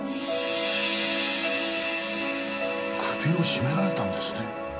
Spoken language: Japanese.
首を絞められたんですね。